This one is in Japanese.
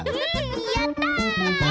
やった！